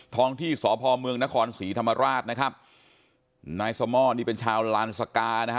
ท้องที่สพเมืองนครศรีธรรมราชนะครับนายสม่อนี่เป็นชาวลานสกานะฮะ